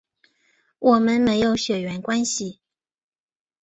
我们没有血缘关系